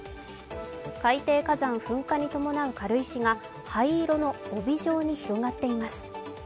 海底火山噴火に伴う軽石が灰色の帯状に広がっています。